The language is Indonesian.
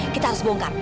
kita harus bongkar